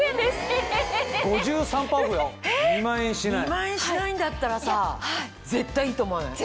２万円しないんだったらさ絶対いいと思わない？